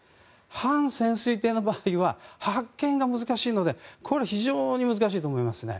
半潜水艇の場合は発見が難しいのでこれは非常に難しいと思いますね。